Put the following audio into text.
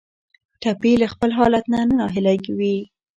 ټپي له خپل حالت نه ناهیلی وي.